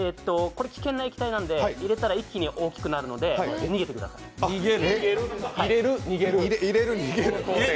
危険な液体なんで入れたら一気に大きくなるので逃げてくだ入れる、逃げる？